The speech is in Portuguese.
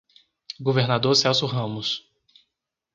Governador Celso Ramos